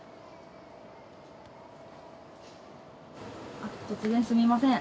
あっ突然すみません